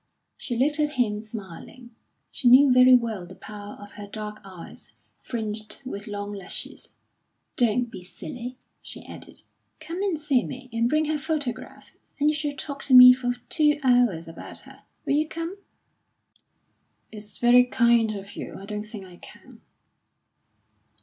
She looked at him, smiling; she knew very well the power of her dark eyes, fringed with long lashes. "Don't be silly," she added. "Come and see me, and bring her photograph, and you shall talk to me for two hours about her. Will you come?" "It's very kind of you. I don't think I can."